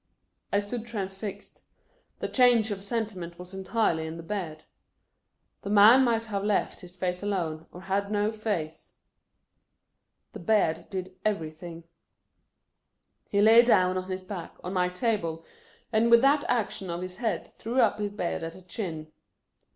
I stood transfixed. The change of senti ment was entirely in the beard. The man might have left his face alone, or had no face. The beard did everything. He laid down, on his back, on my table, and with that action of his head threw up his beard at the chin.